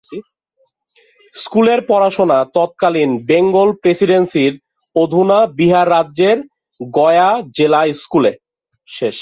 স্কুলের পড়াশোনা তৎকালীন বেঙ্গল প্রেসিডেন্সির অধুনা বিহার রাজ্যের গয়া জেলা স্কুলে।